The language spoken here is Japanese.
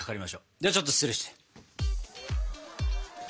ではちょっと失礼して。